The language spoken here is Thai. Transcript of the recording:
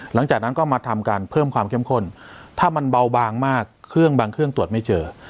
หลังจากนั้นก็มาทำการเพิ่มความเข้มข้นถ้ามันเบาบางมากเครื่องบางเครื่องตรวจไม่เจอ